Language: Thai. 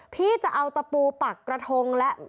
พี่จะเอาตะปูปักกระทงและ